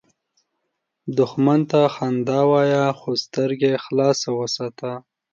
دښمن ته خندا وایه، خو سترګې خلاصه وساته